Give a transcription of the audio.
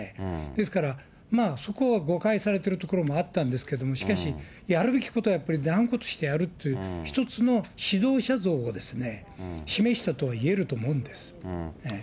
ですから、まあそこは誤解されてるところもあったんですけれども、しかし、やるべきことはやっぱり断固としてやるっていう、一つの指導者像を示したとは言えると思うんです。